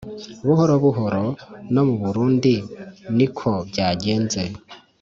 buhoro buhoro. No mu Burundi ni ko byagenze; •